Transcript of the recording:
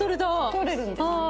取れるんですよ。